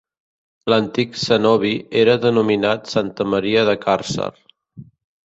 L'antic cenobi era denominat Santa Maria de Càrcer.